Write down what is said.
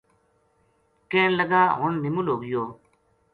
کہن لگا ہن نِمل ہو گیو